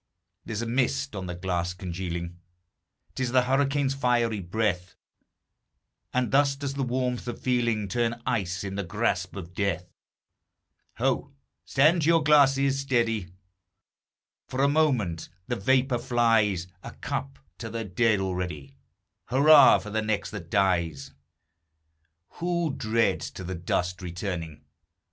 There's a mist on the glass congealing, 'T is the hurricane's fiery breath; And thus does the warmth of feeling Turn ice in the grasp of Death. Ho! stand to your glasses, steady! For a moment the vapor flies; A cup to the dead already Hurrah for the next that dies! Who dreads to the dust returning?